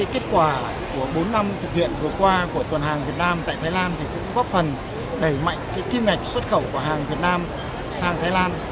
kết quả của bốn năm thực hiện vừa qua của tuần hàng việt nam tại thái lan cũng góp phần đẩy mạnh kim ngạch xuất khẩu của hàng việt nam sang thái lan